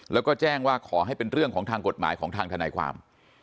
แล้วก็แจ้งว่าขอให้เป็นเรื่องของทางกฎหมายของทางทนายความ